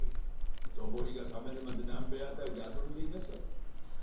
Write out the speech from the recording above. ほとぼりが冷めるまで南米辺りで遊んでいなさい。